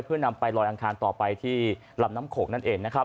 เพื่อนำไปลอยอังคารต่อไปที่ลำน้ำโขกนั่นเองนะครับ